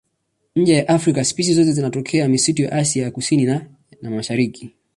Nje ya Afrika spishi zote zinatokea misitu ya Asia ya Kusini na ya Mashariki.